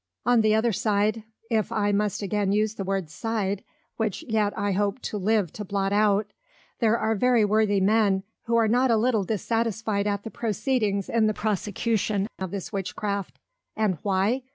On the other side [if I must again use the word Side, which yet I hope to live to blot out] there are very worthy Men, who are not a little dissatisfied at the Proceedings in the Prosecution of this Witchcraft. And why?